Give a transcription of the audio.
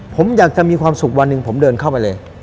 ผมอยากจะมีความสุขวันหนึ่งผมเดินเข้าไปเลย